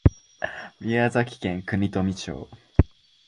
宮崎県国富町